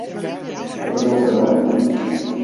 Wat bedoelst dêrmei?